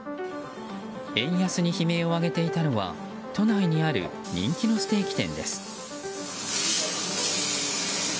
円安に悲鳴を上げていたのは都内にある人気のステーキ店です。